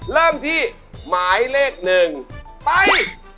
เริ่มที่หมายเลข๑ไป